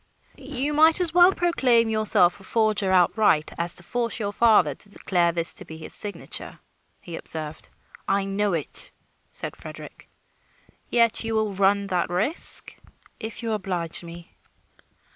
"You might as well proclaim yourself a forger outright, as to force your father to declare this to be his signature," he observed. "I know it," said Frederick. "Yet you will run that risk?" "If you oblige me."